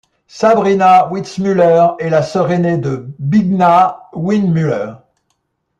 Sabrina Windmüller est la sœur aînée de Bigna Windmüller.